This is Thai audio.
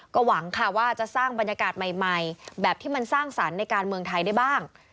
ก็หวังค่ะว่าจะสร้างบรรยากาศใหม่แบบที่มันสร้างสรรค์ในการเมืองไทยได้บ้าง